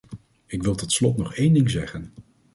Ik wil tot slot nog één ding zeggen.